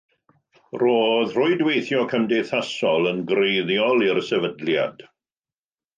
Roedd rhwydweithio cymdeithasol yn greiddiol i'r sefydliad.